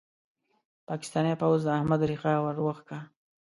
پاکستاني پوځ د احمد ريښه ور وکښه.